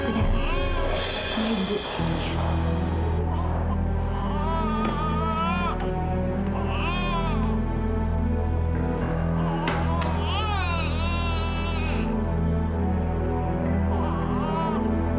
aku monumental keaskan harsh